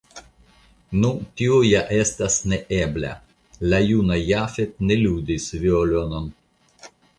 Nu, tio ja estas neebla; la juna Jafet ne ludis violonon.